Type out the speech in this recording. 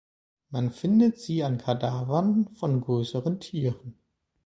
Man findet sie an Kadavern von größeren Tieren.